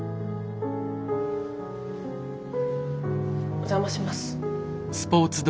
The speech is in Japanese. お邪魔します。